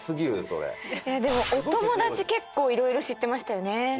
それでもお友達結構いろいろ知ってましたよね